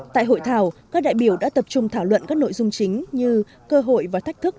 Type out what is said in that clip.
tại hội thảo các đại biểu đã tập trung thảo luận các nội dung chính như cơ hội và thách thức